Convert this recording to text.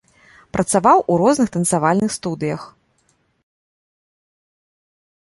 Працаваў у розных танцавальных студыях.